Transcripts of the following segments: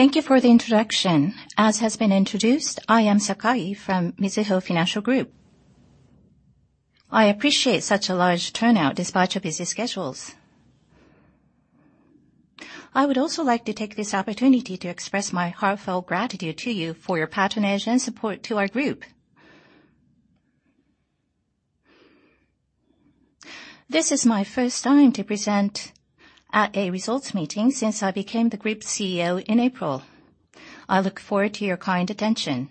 Thank you for the introduction. As has been introduced, I am Sakai from Mizuho Financial Group. I appreciate such a large turnout despite your busy schedules. I would also like to take this opportunity to express my heartfelt gratitude to you for your patronage and support to our group. This is my first time to present at a results meeting since I became the Group CEO in April. I look forward to your kind attention.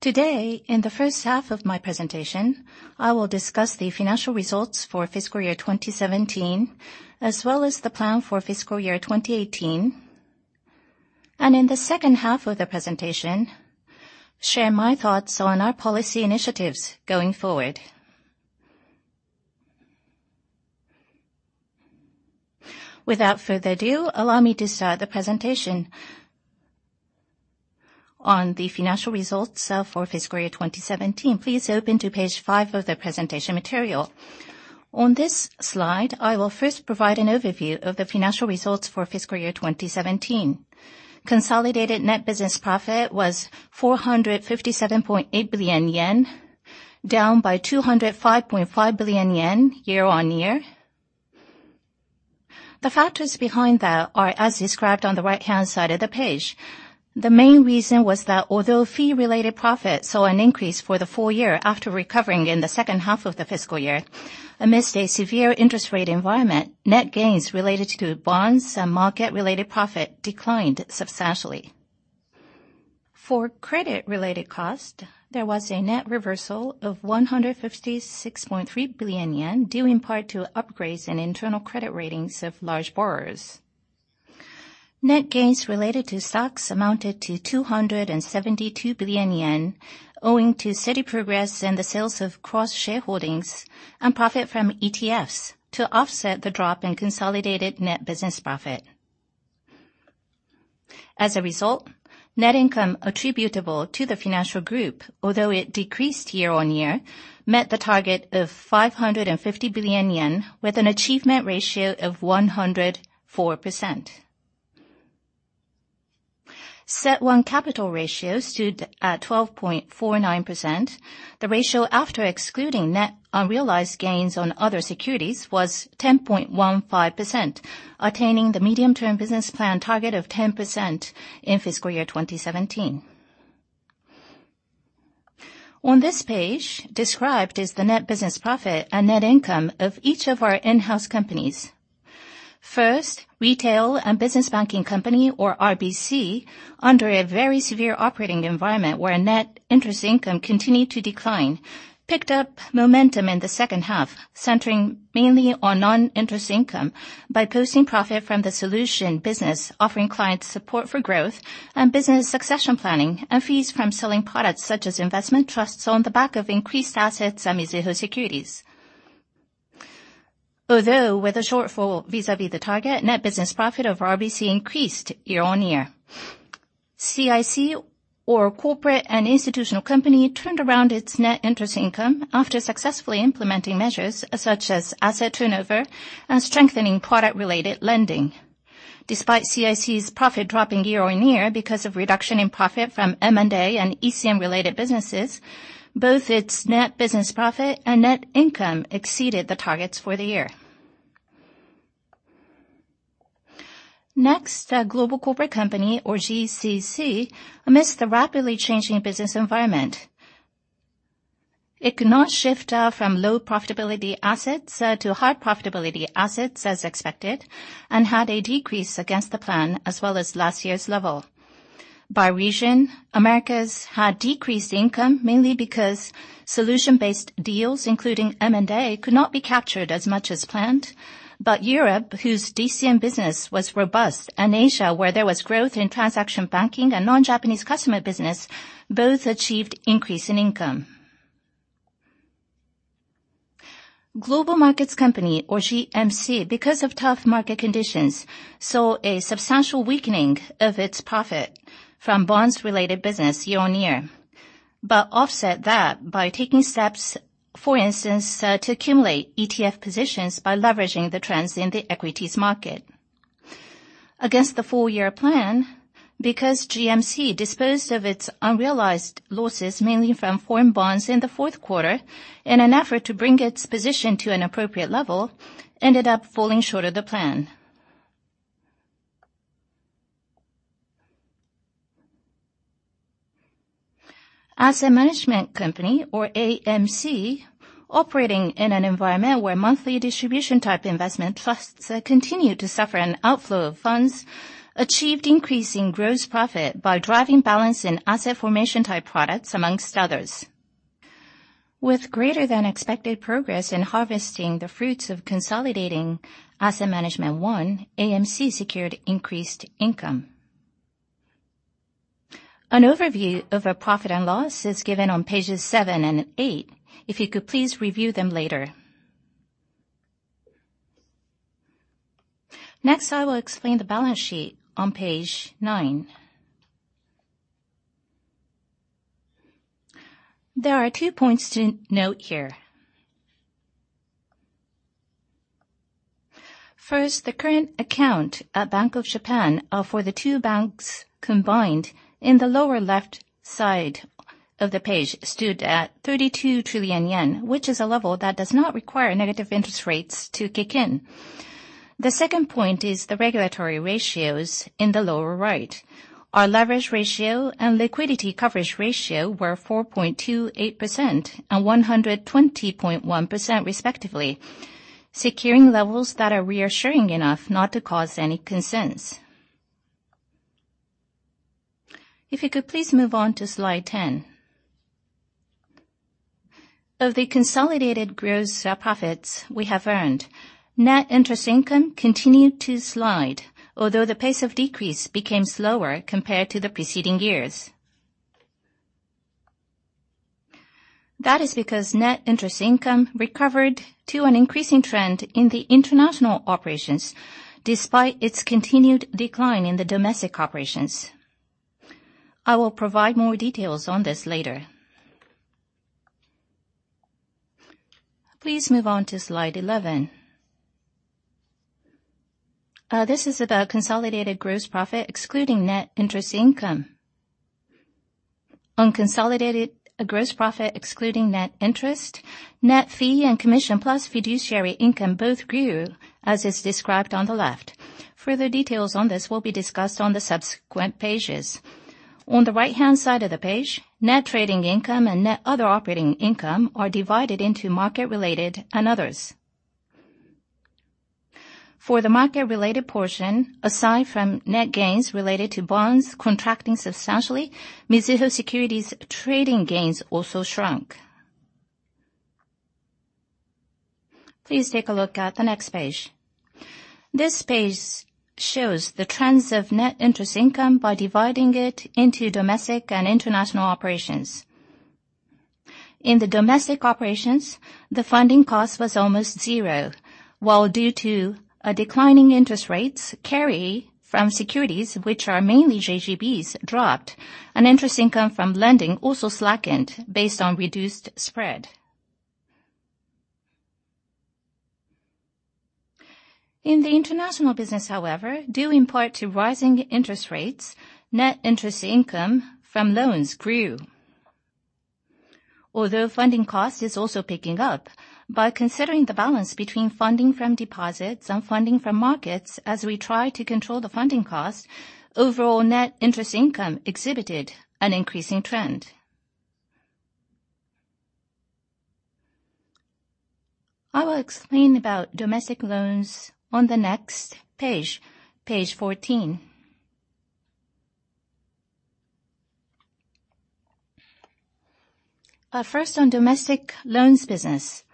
Today, in the first half of my presentation, I will discuss the financial results for fiscal year 2017, as well as the plan for fiscal year 2018, and in the second half of the presentation, share my thoughts on our policy initiatives going forward. Without further ado, allow me to start the presentation. On the financial results for fiscal year 2017, please open to page five of the presentation material. On this slide, I will first provide an overview of the financial results for fiscal year 2017. Consolidated net business profit was 457.8 billion yen, down by 205.5 billion yen year-on-year. The factors behind that are as described on the right-hand side of the page. The main reason was that although fee-related profits saw an increase for the full year after recovering in the second half of the fiscal year, amidst a severe interest rate environment, net gains related to bonds and market-related profit declined substantially. For credit-related cost, there was a net reversal of 156.3 billion yen, due in part to upgrades in internal credit ratings of large borrowers. Net gains related to stocks amounted to 272 billion yen, owing to steady progress in the sales of cross-shareholdings and profit from ETFs to offset the drop in consolidated net business profit. As a result, net income attributable to the financial group, although it decreased year-on-year, met the target of 550 billion yen with an achievement ratio of 104%. CET1 capital ratio stood at 12.49%. The ratio after excluding net unrealized gains on other securities was 10.15%, attaining the medium-term business plan target of 10% in fiscal year 2017. On this page described is the net business profit and net income of each of our in-house companies. First, Retail & Business Banking Company, or RBC, under a very severe operating environment where net interest income continued to decline, picked up momentum in the second half, centering mainly on non-interest income by posting profit from the solution business, offering clients support for growth and business succession planning, and fees from selling products such as investment trusts on the back of increased assets at Mizuho Securities. Although with a shortfall vis-à-vis the target, net business profit of RBC increased year-on-year. CIC, or Corporate & Institutional Company, turned around its net interest income after successfully implementing measures such as asset turnover and strengthening product-related lending. Despite CIC's profit dropping year-on-year because of reduction in profit from M&A and ECM-related businesses, both its net business profit and net income exceeded the targets for the year. Next, Global Corporate Company, or GCC, amidst the rapidly changing business environment, it could not shift from low profitability assets to high profitability assets as expected and had a decrease against the plan as well as last year's level. By region, Americas had decreased income mainly because solution-based deals, including M&A, could not be captured as much as planned. Europe, whose DCM business was robust, and Asia, where there was growth in transaction banking and non-Japanese customer business, both achieved increase in income. Global Markets Company, or GMC, because of tough market conditions, saw a substantial weakening of its profit from bonds-related business year-on-year, but offset that by taking steps, for instance, to accumulate ETF positions by leveraging the trends in the equities market. Against the full-year plan, because GMC disposed of its unrealized losses, mainly from foreign bonds in the fourth quarter in an effort to bring its position to an appropriate level, ended up falling short of the plan. Asset Management Company, or AMC, operating in an environment where monthly distribution-type investment trusts continue to suffer an outflow of funds, achieved increase in gross profit by driving balance in asset formation-type products, among others. With greater than expected progress in harvesting the fruits of consolidating Asset Management One, AMC secured increased income. An overview of our profit and loss is given on pages seven and eight, if you could please review them later. Next, I will explain the balance sheet on page nine. There are two points to note here. First, the current account at Bank of Japan are for the two banks combined in the lower left side of the page, stood at 32 trillion yen, which is a level that does not require negative interest rates to kick in. The second point is the regulatory ratios in the lower right. Our leverage ratio and liquidity coverage ratio were 4.28% and 120.1% respectively, securing levels that are reassuring enough not to cause any concerns. If you could please move on to slide 10. Of the consolidated gross profits we have earned, net interest income continued to slide, although the pace of decrease became slower compared to the preceding years. That is because net interest income recovered to an increasing trend in the international operations, despite its continued decline in the domestic operations. I will provide more details on this later. Please move on to slide 11. This is about consolidated gross profit excluding net interest income. On consolidated gross profit, excluding net interest, net fee and commission plus fiduciary income both grew, as is described on the left. Further details on this will be discussed on the subsequent pages. On the right-hand side of the page, net trading income and net other operating income are divided into market-related and others. For the market-related portion, aside from net gains related to bonds contracting substantially, Mizuho Securities trading gains also shrunk. Please take a look at the next page. This page shows the trends of net interest income by dividing it into domestic and international operations. In the domestic operations, the funding cost was almost zero, while due to a declining interest rates carry from securities which are mainly JGBs dropped, and interest income from lending also slackened based on reduced spread. In the international business, however, due in part to rising interest rates, net interest income from loans grew. Although funding cost is also picking up, by considering the balance between funding from deposits and funding from markets as we try to control the funding cost, overall net interest income exhibited an increasing trend. I will explain about domestic loans on the next page 14. First on domestic loans business.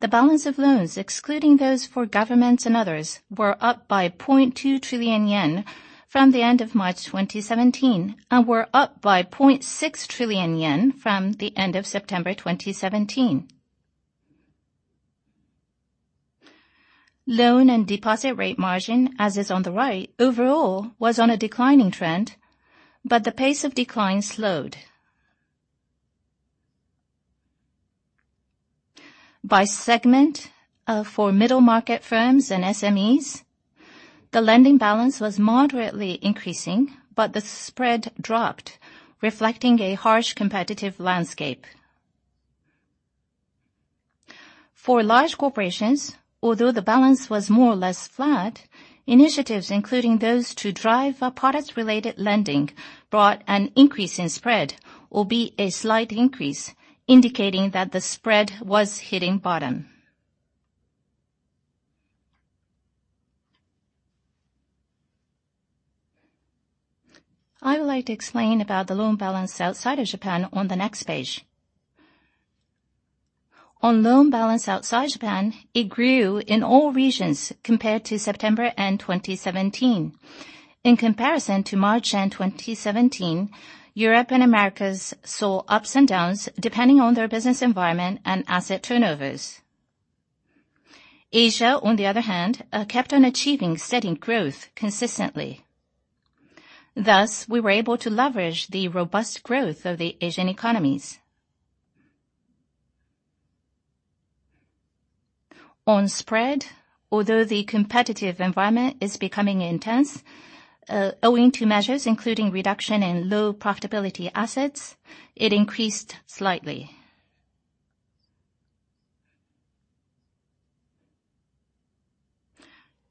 The balance of loans, excluding those for governments and others, were up by 0.2 trillion yen from the end of March 2017 and were up by 0.6 trillion yen from the end of September 2017. Loan and deposit rate margin, as is on the right, overall, was on a declining trend, but the pace of decline slowed. By segment for middle market firms and SMEs, the lending balance was moderately increasing, but the spread dropped, reflecting a harsh competitive landscape. For large corporations, although the balance was more or less flat, initiatives including those to drive a product-related lending, brought an increase in spread, albeit a slight increase, indicating that the spread was hitting bottom. I would like to explain about the loan balance outside of Japan on the next page. On loan balance outside Japan, it grew in all regions compared to September end 2017. In comparison to March end 2017, Europe and Americas saw ups and downs depending on their business environment and asset turnovers. Asia, on the other hand, kept on achieving steady growth consistently. Thus, we were able to leverage the robust growth of the Asian economies. On spread, although the competitive environment is becoming intense, owing to measures including reduction in low profitability assets, it increased slightly.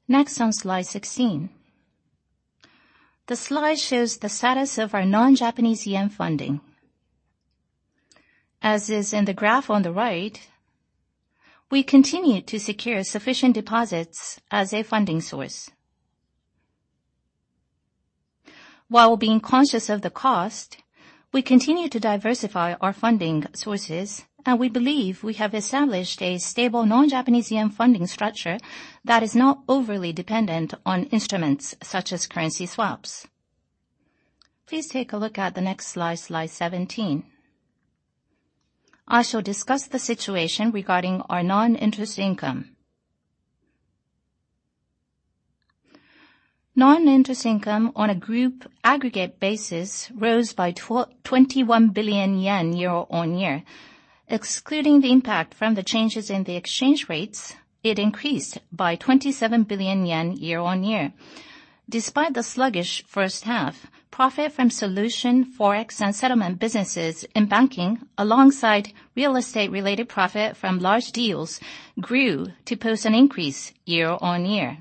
Next, on slide 16. The slide shows the status of our non-Japanese yen funding. As is in the graph on the right, we continue to secure sufficient deposits as a funding source. While being conscious of the cost, we continue to diversify our funding sources, and we believe we have established a stable non-Japanese yen funding structure that is not overly dependent on instruments such as currency swaps. Please take a look at the next slide 17. I shall discuss the situation regarding our non-interest income. Non-interest income on a group aggregate basis rose by 21 billion yen year-on-year. Excluding the impact from the changes in the exchange rates, it increased by 27 billion yen year-on-year. Despite the sluggish first half, profit from solution Forex and settlement businesses in banking, alongside real estate-related profit from large deals, grew to post an increase year-on-year.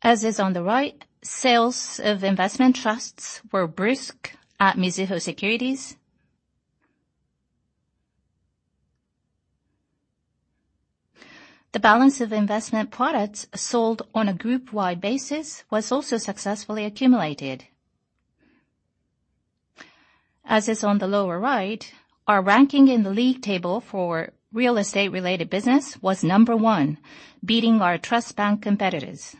As is on the right, sales of investment trusts were brisk at Mizuho Securities. The balance of investment products sold on a groupwide basis was also successfully accumulated. As is on the lower right, our ranking in the league table for real estate-related business was number one, beating our trust bank competitors.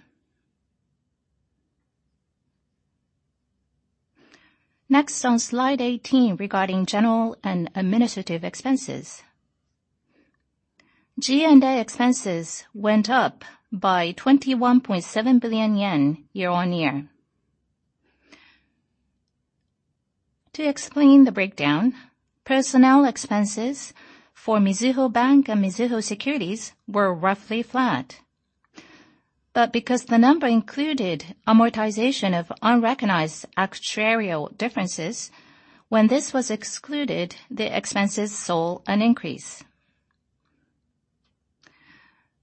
Next, on slide 18, regarding general and administrative expenses. G&A expenses went up by 21.7 billion yen year-on-year. To explain the breakdown, personnel expenses for Mizuho Bank and Mizuho Securities were roughly flat. But because the number included amortization of unrecognized actuarial differences, when this was excluded, the expenses saw an increase.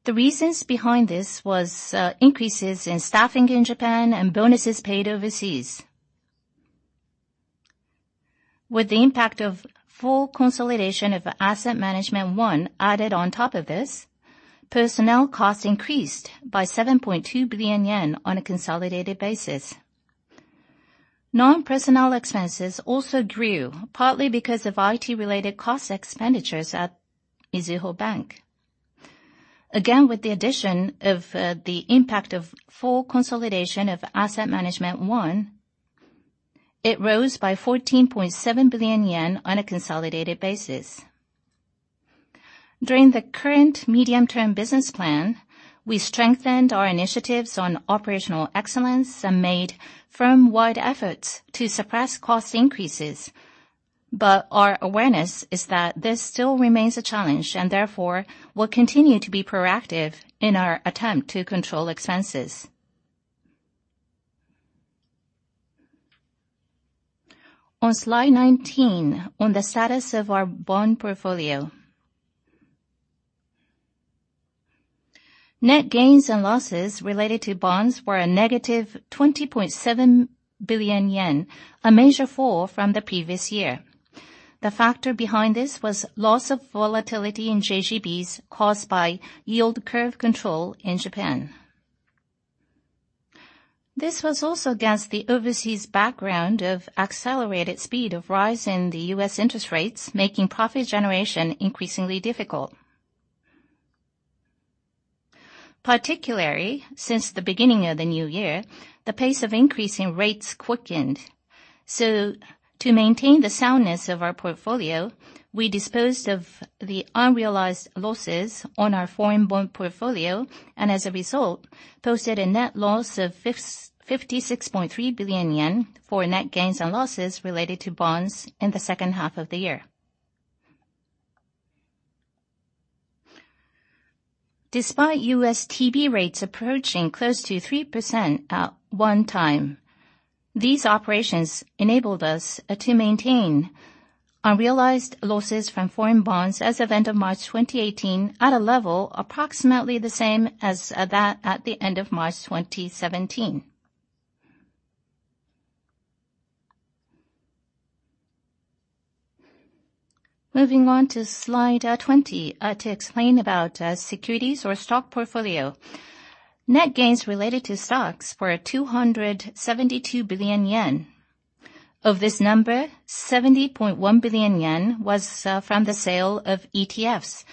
The reasons behind this was increases in staffing in Japan and bonuses paid overseas. With the impact of full consolidation of Asset Management One added on top of this, personnel costs increased by 7.2 billion yen on a consolidated basis. Non-personnel expenses also grew, partly because of IT-related cost expenditures at Mizuho Bank. Again, with the addition of the impact of full consolidation of Asset Management One, it rose by 14.7 billion yen on a consolidated basis. During the current medium-term business plan, we strengthened our initiatives on operational excellence and made firm-wide efforts to suppress cost increases. Our awareness is that this still remains a challenge, and therefore, we'll continue to be proactive in our attempt to control expenses. On slide 19, on the status of our bond portfolio. Net gains and losses related to bonds were a negative 20.7 billion yen, a major fall from the previous year. The factor behind this was loss of volatility in JGBs caused by yield curve control in Japan. This was also against the overseas background of accelerated speed of rise in the U.S. interest rates, making profit generation increasingly difficult. Particularly, since the beginning of the new year, the pace of increase in rates quickened. To maintain the soundness of our portfolio, we disposed of the unrealized losses on our foreign bond portfolio and, as a result, posted a net loss of 56.3 billion yen for net gains and losses related to bonds in the second half of the year. Despite US TB rates approaching close to 3% at one time, these operations enabled us to maintain unrealized losses from foreign bonds as of end of March 2018 at a level approximately the same as that at the end of March 2017. Moving on to slide 20, to explain about securities or stock portfolio. Net gains related to stocks were 272 billion yen. Of this number, 70.1 billion yen was from the sale of ETFs,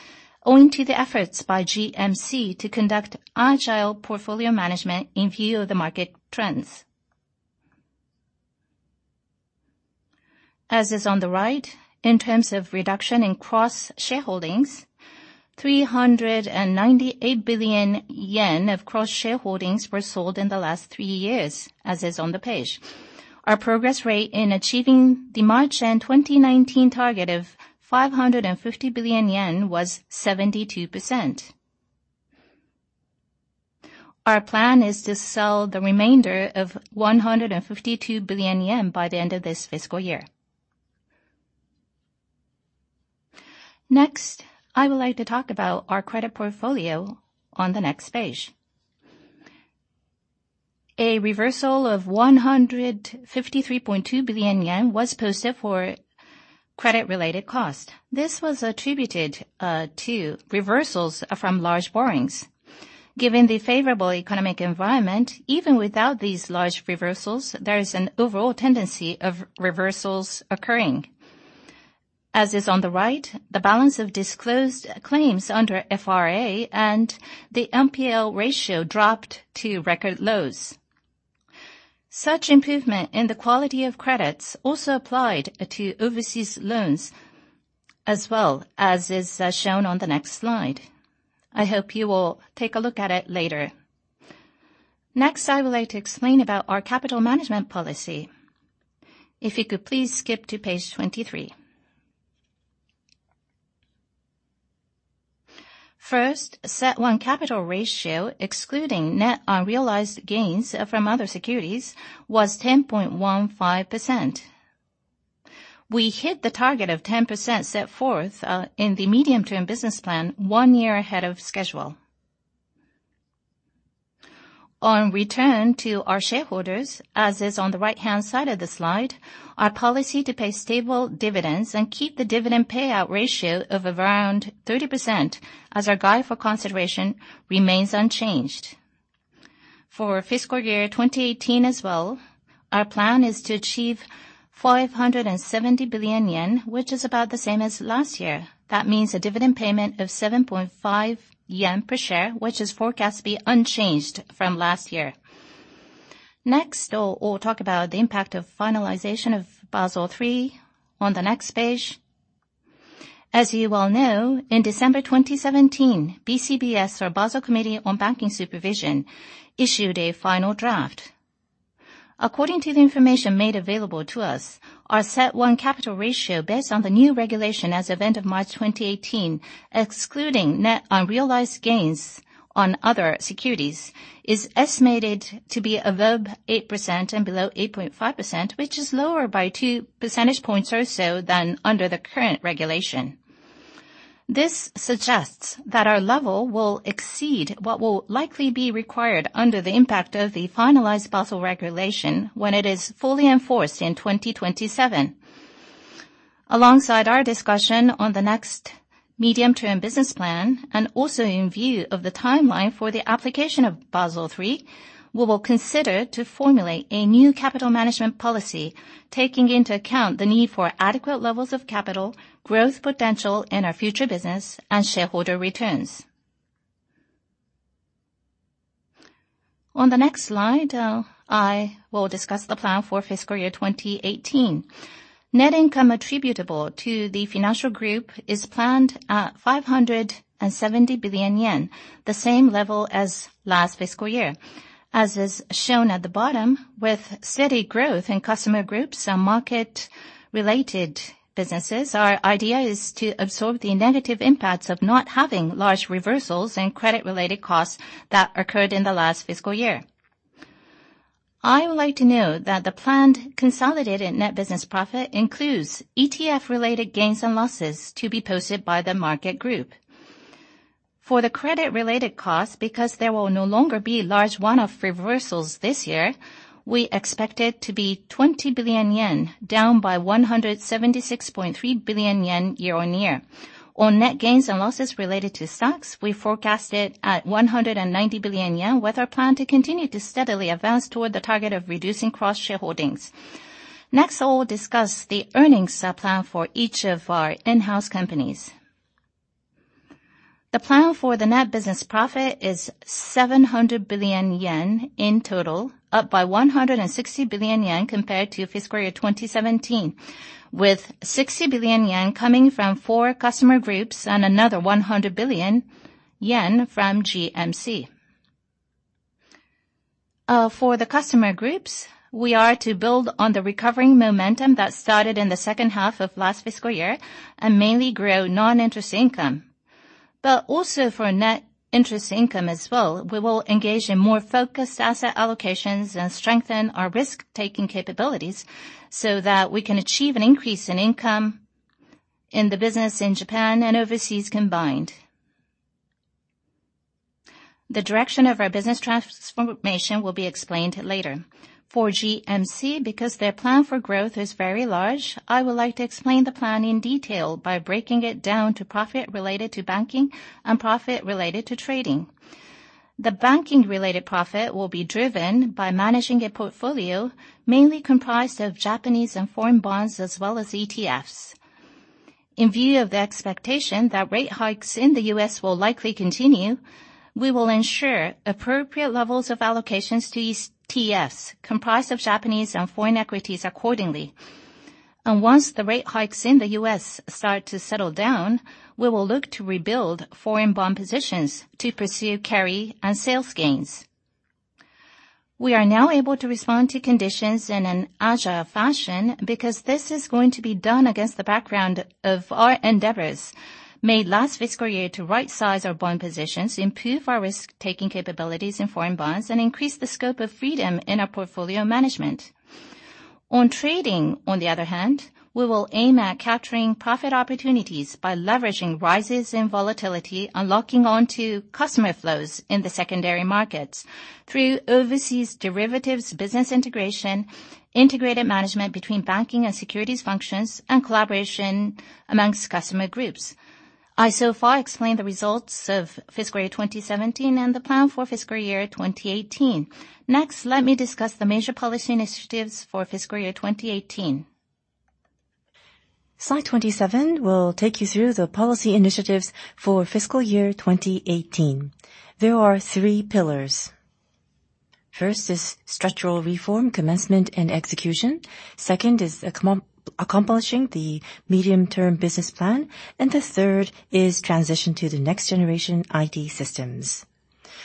owing to the efforts by GMC to conduct agile portfolio management in view of the market trends. As is on the right, in terms of reduction in cross-shareholdings, 398 billion yen of cross-shareholdings were sold in the last three years, as is on the page. Our progress rate in achieving the March end 2019 target of 550 billion yen was 72%. Our plan is to sell the remainder of 152 billion yen by the end of this fiscal year. I would like to talk about our credit portfolio on the next page. A reversal of 153.2 billion yen was posted for credit-related cost. This was attributed to reversals from large borrowings. Given the favorable economic environment, even without these large reversals, there is an overall tendency of reversals occurring. As is on the right, the balance of disclosed claims under FRA and the NPL ratio dropped to record lows. Such improvement in the quality of credits also applied to overseas loans, as well, as is shown on the next slide. I hope you will take a look at it later. I would like to explain about our capital management policy. If you could please skip to page 23. First, CET1 capital ratio, excluding net unrealized gains from other securities, was 10.15%. We hit the target of 10% set forth in the medium-term business plan one year ahead of schedule. On return to our shareholders, as is on the right-hand side of the slide, our policy to pay stable dividends and keep the dividend payout ratio of around 30%, as our guide for consideration, remains unchanged. For fiscal year 2018 as well, our plan is to achieve 570 billion yen, which is about the same as last year. That means a dividend payment of 7.5 yen per share, which is forecast to be unchanged from last year. I'll talk about the impact of finalization of Basel III on the next page. As you well know, in December 2017, BCBS, or Basel Committee on Banking Supervision, issued a final draft. According to the information made available to us, our CET1 capital ratio, based on the new regulation as of end of March 2018, excluding net unrealized gains on other securities, is estimated to be above 8% and below 8.5%, which is lower by 2 percentage points or so than under the current regulation. This suggests that our level will exceed what will likely be required under the impact of the finalized Basel regulation when it is fully enforced in 2027. Alongside our discussion on the next medium-term business plan, in view of the timeline for the application of Basel III, we will consider to formulate a new capital management policy, taking into account the need for adequate levels of capital, growth potential in our future business, and shareholder returns. On the next slide, I will discuss the plan for FY 2018. Net income attributable to the financial group is planned at 570 billion yen, the same level as last fiscal year. As is shown at the bottom, with steady growth in customer groups and market-related businesses, our idea is to absorb the negative impacts of not having large reversals in credit-related costs that occurred in the last fiscal year. I would like to note that the planned consolidated net business profit includes ETF-related gains and losses to be posted by the market group. For the credit-related cost, because there will no longer be large one-off reversals this year, we expect it to be 20 billion yen, down by 176.3 billion yen year-on-year. On net gains and losses related to stocks, we forecast it at 190 billion yen, with our plan to continue to steadily advance toward the target of reducing cross-shareholdings. I will discuss the earnings plan for each of our in-house companies. The plan for the net business profit is 700 billion yen in total, up by 160 billion yen compared to FY 2017, with 60 billion yen coming from four customer groups and another 100 billion yen from GMC. For the customer groups, we are to build on the recovering momentum that started in the second half of last fiscal year and mainly grow non-interest income. For net interest income as well, we will engage in more focused asset allocations and strengthen our risk-taking capabilities so that we can achieve an increase in income in the business in Japan and overseas combined. The direction of our business transformation will be explained later. For GMC, because their plan for growth is very large, I would like to explain the plan in detail by breaking it down to profit related to banking and profit related to trading. The banking-related profit will be driven by managing a portfolio mainly comprised of Japanese and foreign bonds as well as ETFs. In view of the expectation that rate hikes in the U.S. will likely continue, we will ensure appropriate levels of allocations to ETFs comprised of Japanese and foreign equities accordingly. Once the rate hikes in the U.S. start to settle down, we will look to rebuild foreign bond positions to pursue carry and sales gains. We are now able to respond to conditions in an agile fashion because this is going to be done against the background of our endeavors made last fiscal year to rightsize our bond positions, improve our risk-taking capabilities in foreign bonds, and increase the scope of freedom in our portfolio management. On trading, on the other hand, we will aim at capturing profit opportunities by leveraging rises in volatility and locking onto customer flows in the secondary markets through overseas derivatives business integration, integrated management between banking and securities functions, and collaboration amongst customer groups. I so far explained the results of fiscal year 2017 and the plan for fiscal year 2018. Next, let me discuss the major policy initiatives for fiscal year 2018. Slide 27 will take you through the policy initiatives for fiscal year 2018. There are three pillars. First is structural reform commencement and execution. Second is accomplishing the medium-term business plan. The third is transition to the next generation IT systems.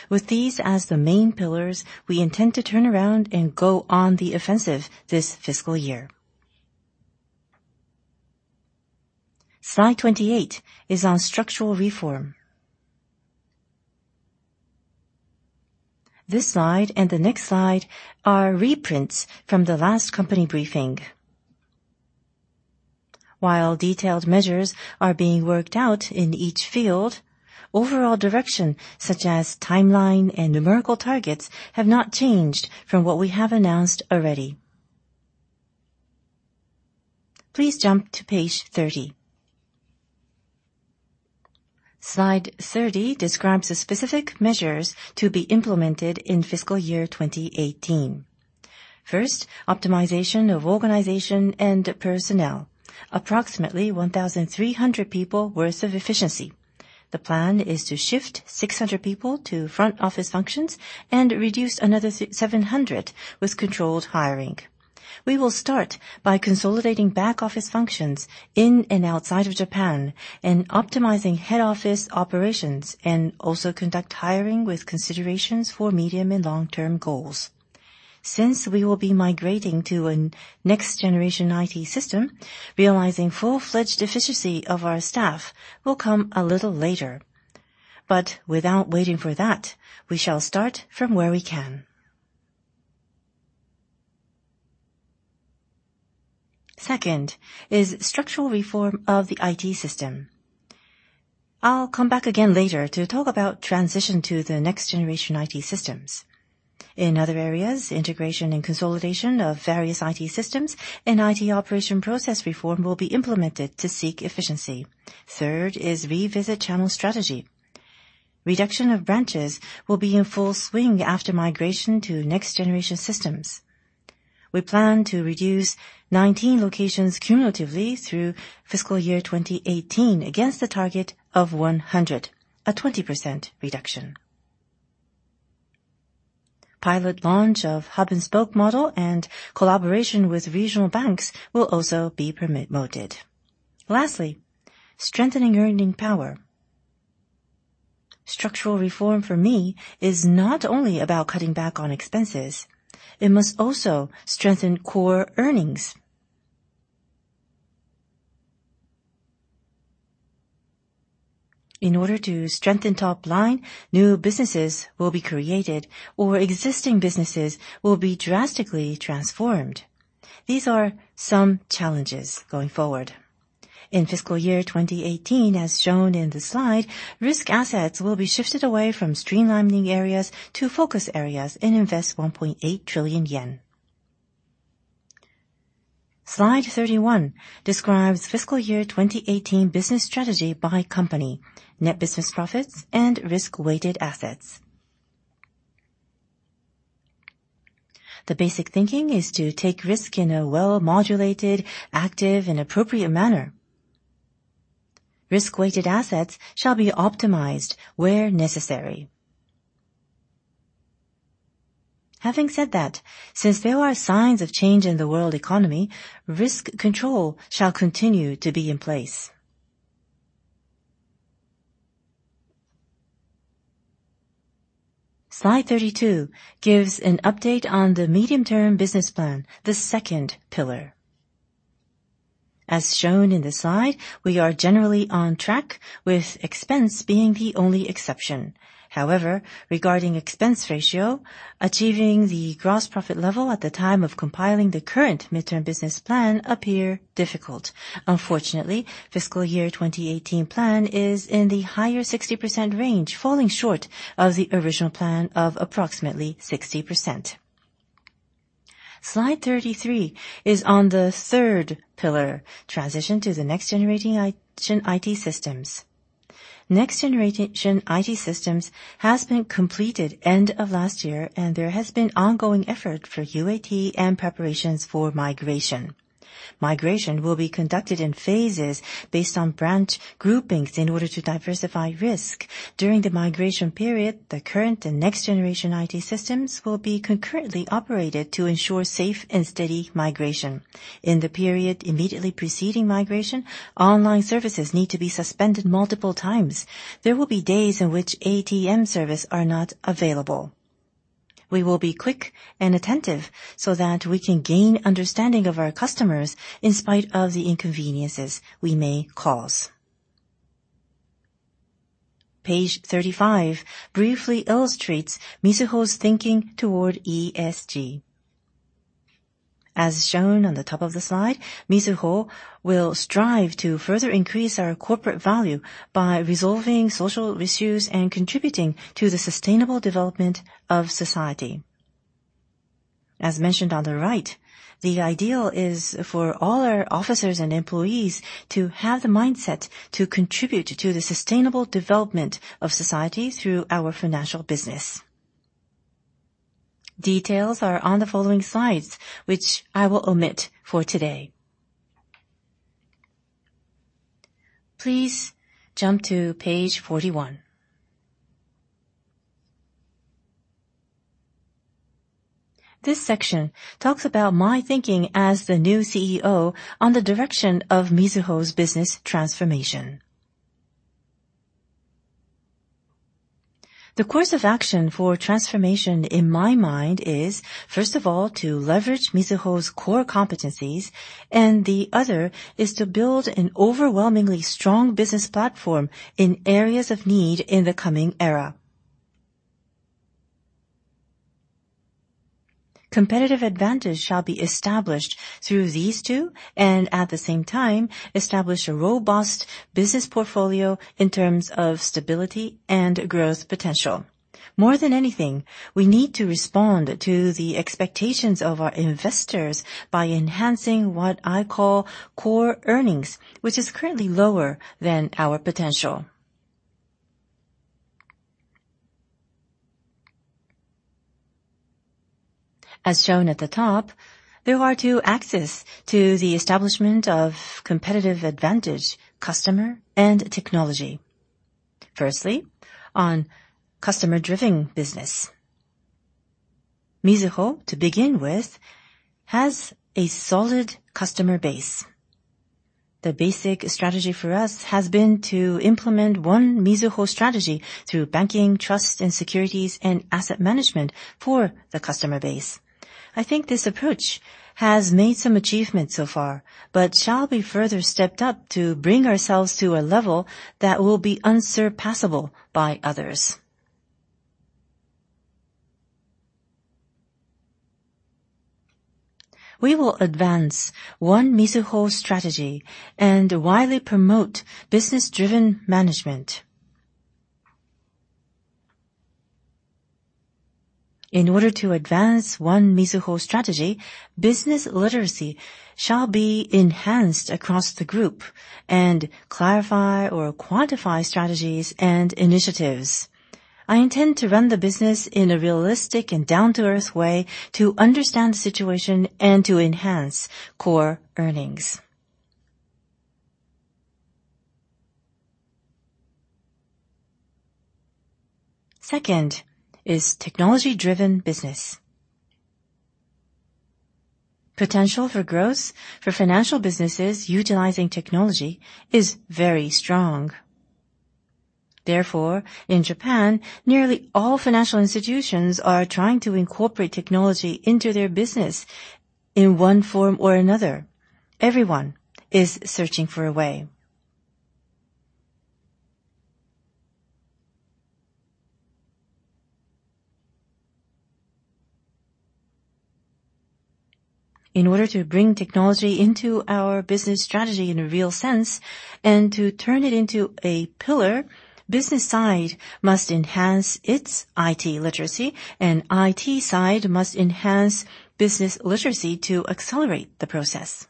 With these as the main pillars, we intend to turn around and go on the offensive this fiscal year. Slide 28 is on structural reform. This slide and the next slide are reprints from the last company briefing. While detailed measures are being worked out in each field, overall direction, such as timeline and numerical targets, have not changed from what we have announced already. Please jump to page 30. Slide 30 describes the specific measures to be implemented in fiscal year 2018. First, optimization of organization and personnel. Approximately 1,300 people worth of efficiency. The plan is to shift 600 people to front-office functions and reduce another 700 with controlled hiring. We will start by consolidating back-office functions in and outside of Japan and optimizing head office operations and also conduct hiring with considerations for medium and long-term goals. Since we will be migrating to a next-generation IT system, realizing full-fledged efficiency of our staff will come a little later. Without waiting for that, we shall start from where we can. Second is structural reform of the IT system. I'll come back again later to talk about transition to the next-generation IT systems. In other areas, integration and consolidation of various IT systems and IT operation process reform will be implemented to seek efficiency. Third is revisit channel strategy. Reduction of branches will be in full swing after migration to next-generation systems. We plan to reduce 19 locations cumulatively through fiscal year 2018 against the target of 100, a 20% reduction. Pilot launch of hub and spoke model and collaboration with regional banks will also be promoted. Lastly, strengthening earning power. Structural reform for me is not only about cutting back on expenses, it must also strengthen core earnings. In order to strengthen top line, new businesses will be created, or existing businesses will be drastically transformed. These are some challenges going forward. In fiscal year 2018, as shown in the slide, risk assets will be shifted away from streamlining areas to focus areas and invest 1.8 trillion yen. Slide 31 describes fiscal year 2018 business strategy by company, net business profits, and risk-weighted assets. The basic thinking is to take risk in a well-modulated, active, and appropriate manner. Risk-weighted assets shall be optimized where necessary. Having said that, since there are signs of change in the world economy, risk control shall continue to be in place. Slide 32 gives an update on the medium-term business plan, the second pillar. As shown in the slide, we are generally on track with expense being the only exception. However, regarding expense ratio, achieving the gross profit level at the time of compiling the current mid-term business plan appear difficult. Unfortunately, fiscal year 2018 plan is in the higher 60% range, falling short of the original plan of approximately 60%. Slide 33 is on the third pillar, transition to the next-generation IT systems. Next-generation IT systems has been completed end of last year, and there has been ongoing effort for UAT and preparations for migration. Migration will be conducted in phases based on branch groupings in order to diversify risk. During the migration period, the current and next-generation IT systems will be concurrently operated to ensure safe and steady migration. In the period immediately preceding migration, online services need to be suspended multiple times. There will be days in which ATM service are not available. We will be quick and attentive so that we can gain understanding of our customers in spite of the inconveniences we may cause. Page 35 briefly illustrates Mizuho's thinking toward ESG. As shown on the top of the slide, Mizuho will strive to further increase our corporate value by resolving social issues and contributing to the sustainable development of society. As mentioned on the right, the ideal is for all our officers and employees to have the mindset to contribute to the sustainable development of society through our financial business. Details are on the following slides, which I will omit for today. Please jump to page 41. This section talks about my thinking as the new CEO on the direction of Mizuho's business transformation. The course of action for transformation in my mind is, first of all, to leverage Mizuho's core competencies, and the other is to build an overwhelmingly strong business platform in areas of need in the coming era. Competitive advantage shall be established through these two and, at the same time, establish a robust business portfolio in terms of stability and growth potential. More than anything, we need to respond to the expectations of our investors by enhancing what I call core earnings, which is currently lower than our potential. As shown at the top, there are two axes to the establishment of competitive advantage, customer and technology. Firstly, on customer-driven business. Mizuho, to begin with, has a solid customer base. The basic strategy for us has been to implement One Mizuho strategy through banking, trust and securities, and asset management for the customer base. I think this approach has made some achievements so far, but shall be further stepped up to bring ourselves to a level that will be unsurpassable by others. We will advance One Mizuho strategy and widely promote business-driven management. In order to advance One Mizuho strategy, business literacy shall be enhanced across the group and clarify or quantify strategies and initiatives. I intend to run the business in a realistic and down-to-earth way to understand the situation and to enhance core earnings. Second is technology-driven business. Potential for growth for financial businesses utilizing technology is very strong. In Japan, nearly all financial institutions are trying to incorporate technology into their business in one form or another. Everyone is searching for a way. In order to bring technology into our business strategy in a real sense and to turn it into a pillar, business side must enhance its IT literacy, and IT side must enhance business literacy to accelerate the process.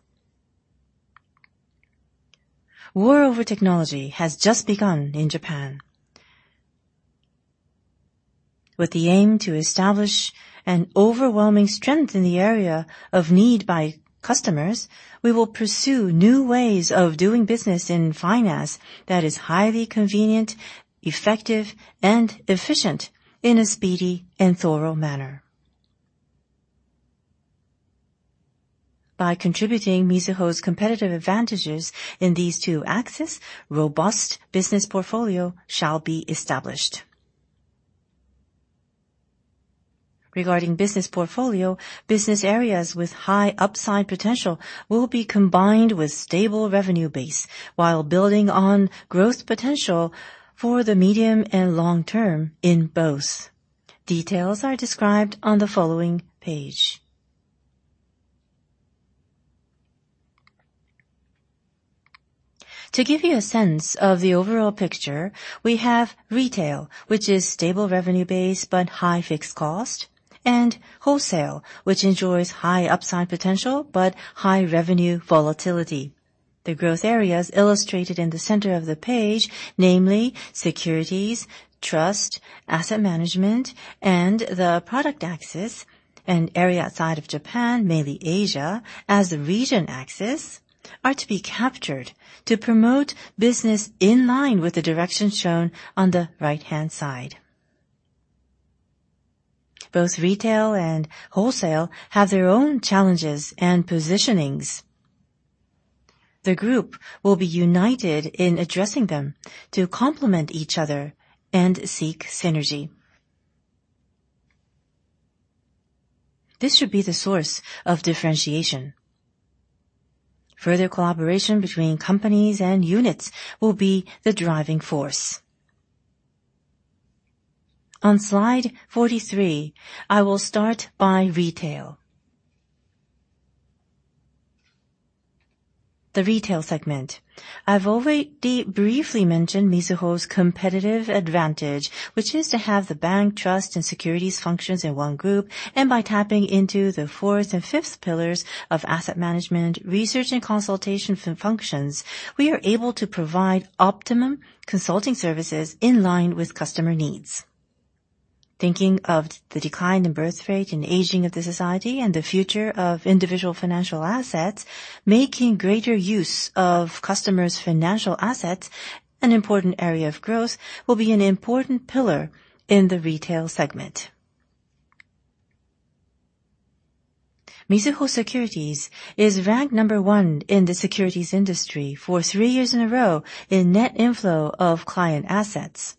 War over technology has just begun in Japan. With the aim to establish an overwhelming strength in the area of need by customers, we will pursue new ways of doing business in finance that is highly convenient, effective, and efficient in a speedy and thorough manner. By contributing Mizuho's competitive advantages in these two axes, robust business portfolio shall be established. Regarding business portfolio, business areas with high upside potential will be combined with stable revenue base while building on growth potential for the medium and long term in both. Details are described on the following page. To give you a sense of the overall picture, we have retail, which is stable revenue base but high fixed cost, and wholesale, which enjoys high upside potential but high revenue volatility. The growth areas illustrated in the center of the page, namely securities, trust, asset management, and the product axis, and area outside of Japan, mainly Asia, as the region axis, are to be captured to promote business in line with the direction shown on the right-hand side. Both retail and wholesale have their own challenges and positionings. The group will be united in addressing them to complement each other and seek synergy. This should be the source of differentiation. Further collaboration between companies and units will be the driving force. On Slide 43, I will start by retail. The retail segment. I've already briefly mentioned Mizuho's competitive advantage, which is to have the bank, trust and securities functions in one group. By tapping into the fourth and fifth pillars of asset management, research and consultation functions, we are able to provide optimum consulting services in line with customer needs. Thinking of the decline in birth rate and aging of the society and the future of individual financial assets, making greater use of customers' financial assets, an important area of growth, will be an important pillar in the retail segment. Mizuho Securities is ranked number one in the securities industry for three years in a row in net inflow of client assets.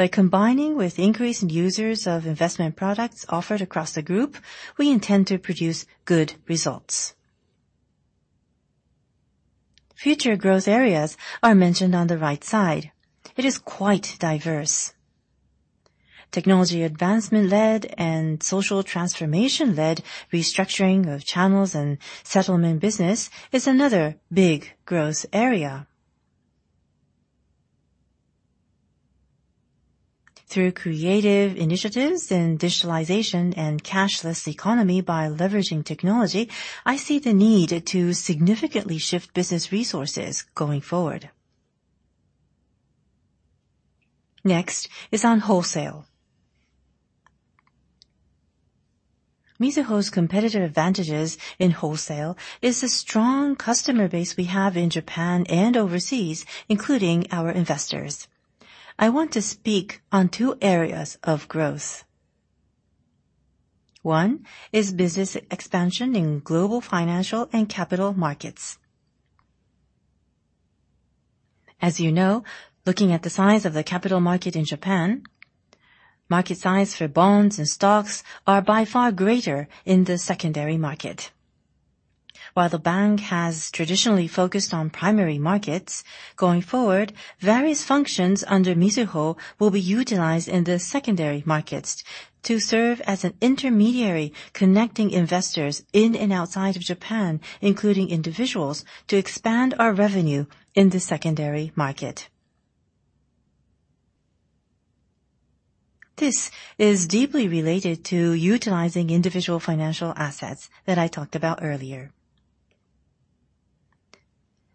By combining with increased users of investment products offered across the group, we intend to produce good results. Future growth areas are mentioned on the right side. It is quite diverse. Technology advancement-led and social transformation-led restructuring of channels and settlement business is another big growth area. Through creative initiatives in digitalization and cashless economy by leveraging technology, I see the need to significantly shift business resources going forward. Next is on wholesale. Mizuho's competitive advantages in wholesale is the strong customer base we have in Japan and overseas, including our investors. I want to speak on two areas of growth. One is business expansion in global financial and capital markets. As you know, looking at the size of the capital market in Japan, market size for bonds and stocks are by far greater in the secondary market. While the bank has traditionally focused on primary markets, going forward, various functions under Mizuho will be utilized in the secondary markets to serve as an intermediary, connecting investors in and outside of Japan, including individuals, to expand our revenue in the secondary market. This is deeply related to utilizing individual financial assets that I talked about earlier.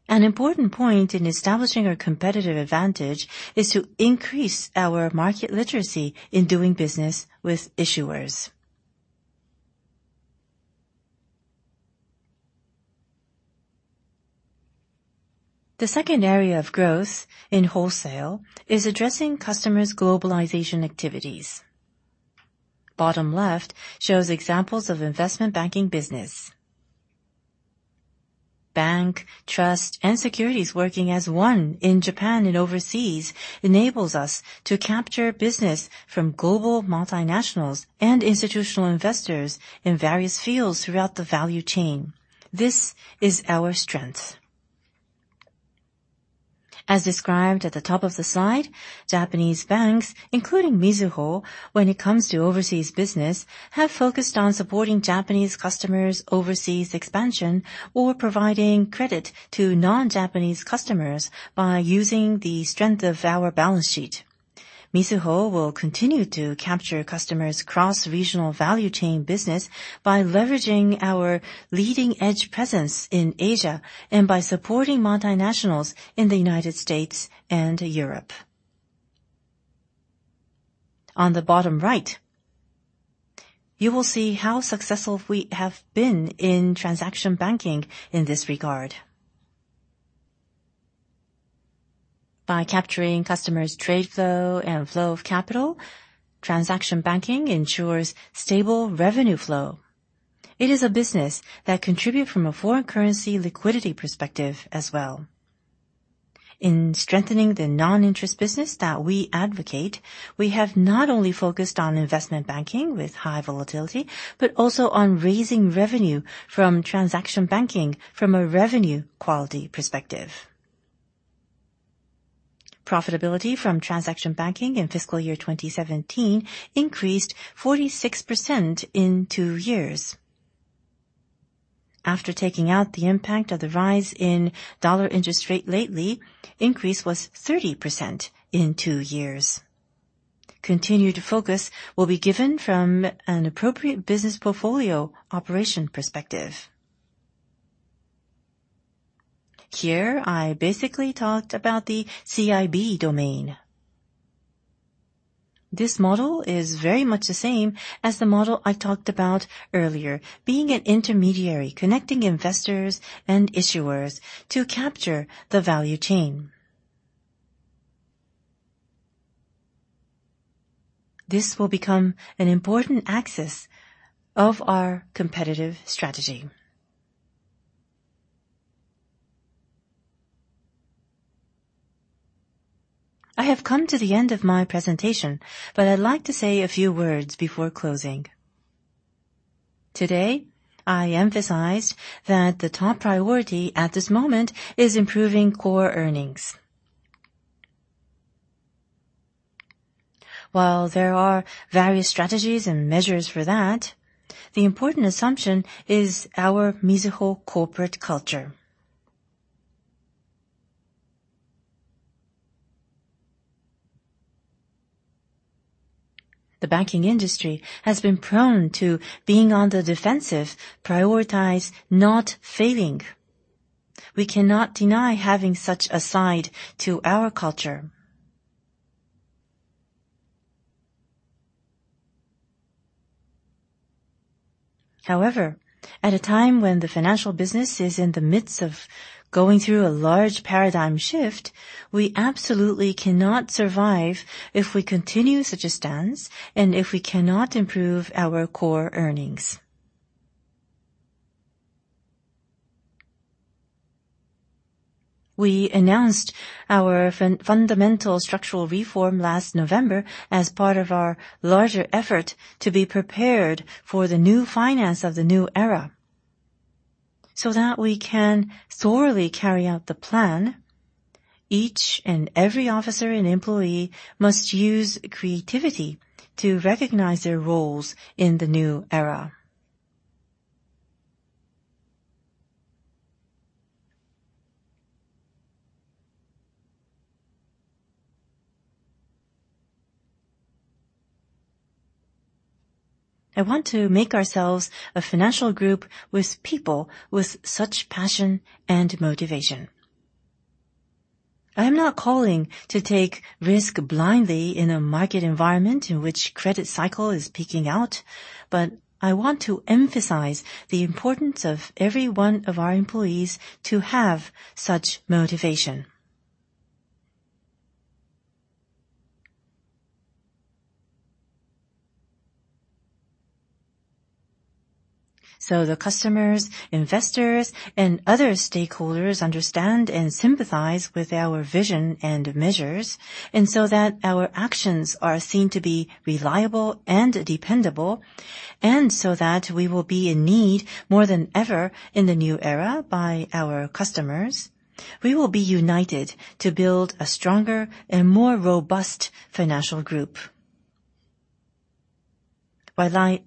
An important point in establishing a competitive advantage is to increase our market literacy in doing business with issuers. The second area of growth in wholesale is addressing customers' globalization activities. Bottom left shows examples of investment banking business. Bank, trust, and securities working as one in Japan and overseas enables us to capture business from global multinationals and institutional investors in various fields throughout the value chain. This is our strength. As described at the top of the slide, Japanese banks, including Mizuho, when it comes to overseas business, have focused on supporting Japanese customers' overseas expansion or providing credit to non-Japanese customers by using the strength of our balance sheet. Mizuho will continue to capture customers' cross-regional value chain business by leveraging our leading-edge presence in Asia and by supporting multinationals in the United States and Europe. On the bottom right, you will see how successful we have been in transaction banking in this regard. By capturing customers' trade flow and flow of capital, transaction banking ensures stable revenue flow. It is a business that contribute from a foreign currency liquidity perspective as well. In strengthening the non-interest business that we advocate, we have not only focused on investment banking with high volatility, but also on raising revenue from transaction banking from a revenue quality perspective. Profitability from transaction banking in fiscal year 2017 increased 46% in two years. After taking out the impact of the rise in dollar interest rate lately, increase was 30% in two years. Continued focus will be given from an appropriate business portfolio operation perspective. Here, I basically talked about the CIB domain. This model is very much the same as the model I talked about earlier, being an intermediary, connecting investors and issuers to capture the value chain. This will become an important axis of our competitive strategy. I have come to the end of my presentation, but I'd like to say a few words before closing. Today, I emphasized that the top priority at this moment is improving core earnings. While there are various strategies and measures for that, the important assumption is our Mizuho corporate culture. The banking industry has been prone to being on the defensive, prioritize not failing. We cannot deny having such a side to our culture. At a time when the financial business is in the midst of going through a large paradigm shift, we absolutely cannot survive if we continue such a stance and if we cannot improve our core earnings. We announced our fundamental structural reform last November as part of our larger effort to be prepared for the new finance of the new era, so that we can thoroughly carry out the plan. Each and every officer and employee must use creativity to recognize their roles in the new era. I want to make ourselves a financial group with people with such passion and motivation. I am not calling to take risk blindly in a market environment in which credit cycle is peaking out, but I want to emphasize the importance of every one of our employees to have such motivation. The customers, investors, and other stakeholders understand and sympathize with our vision and measures, and so that our actions are seen to be reliable and dependable, and so that we will be in need more than ever in the new era by our customers, we will be united to build a stronger and more robust financial group. What I'd like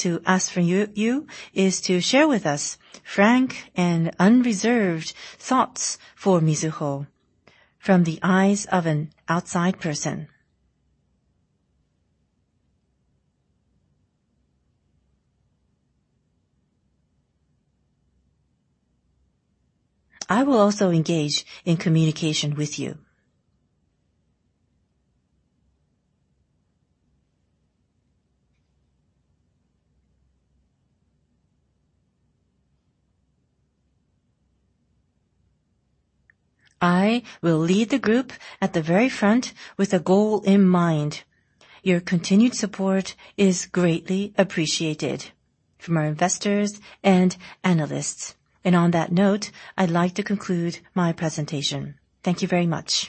to ask from you is to share with us frank and unreserved thoughts for Mizuho from the eyes of an outside person. I will also engage in communication with you. I will lead the group at the very front with a goal in mind. Your continued support is greatly appreciated from our investors and analysts. On that note, I'd like to conclude my presentation. Thank you very much.